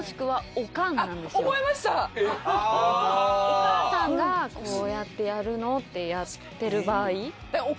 お母さんが「こうやってやるの」ってやってる場合。